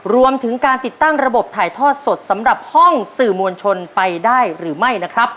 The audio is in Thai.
รวมถึงการติดตั้งระบบถ่ายทอดสดสำหรับห้องสื่อมวลชนไปได้หรือไม่นะครับ